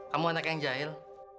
kamu anak yang jahil